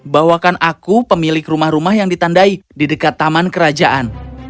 bawakan aku pemilik rumah rumah yang ditandai di dekat taman kerajaan